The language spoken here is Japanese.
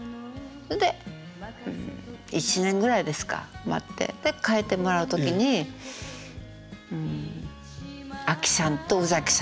それで１年ぐらいですか待って替えてもらう時に阿木さんと宇崎さんと。